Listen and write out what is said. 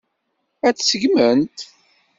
Ad t-seggment?